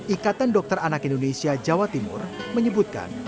ikatan dokter anak indonesia jawa timur menyebutkan